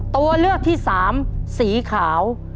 ตัวเลือกที่สามสีขาว